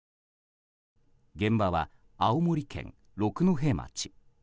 現場は青森県六戸町。